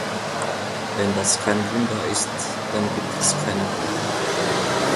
Wenn das kein Wunder ist, dann gibt es keine Wunder.